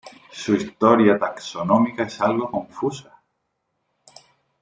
Su historia taxonómica es algo confusa.